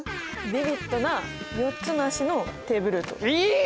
ビビッドな４つの脚のテーブルートいいね！